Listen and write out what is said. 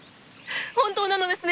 本当なのですね